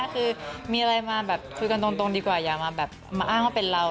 คือมีอะไรมาแบบคุยกันตรงดีกว่าอย่ามาแบบมาอ้างว่าเป็นเรา